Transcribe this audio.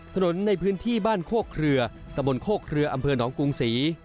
ถนนในพื้นที่บ้านโคกเครือตะบนโคกเครืออำเภอหนองกรุงศรี